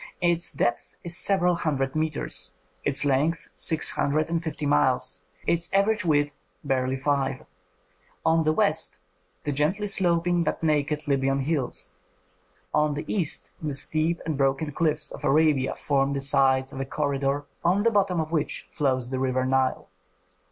Its depth is several hundred metres, its length six hundred and fifty miles, its average width barely five. On the west the gently sloping but naked Libyan hills, on the east the steep and broken cliffs of Arabia form the sides of a corridor on the bottom of which flows the river Nile.